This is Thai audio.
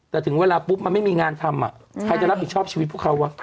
แต่ถึงเวลาปุ๊บมันไม่มีงานทำใครจะรับผิดชอบชีวิตพวกเขาวะ